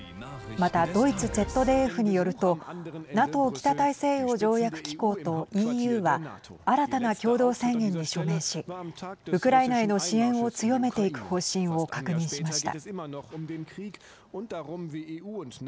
また、ドイツＺＤＦによるとＮＡＴＯ＝北大西洋条約機構とＥＵは新たな共同声明に署名しウクライナへの支援を強めていく方針を確認しました。